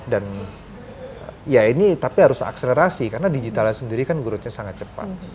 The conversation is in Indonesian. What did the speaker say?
dan ya ini tapi harus akselerasi karena digitalnya sendiri kan gurutnya sangat cepat